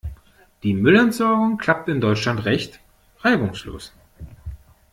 Die Müllentsorgung klappt in Deutschland recht reibungslos.